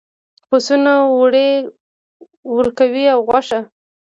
پسونه وړۍ ورکوي او غوښه.